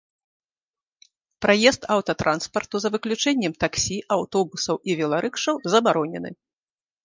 Праезд аўтатранспарту за выключэннем таксі, аўтобусаў і веларыкшаў забаронены.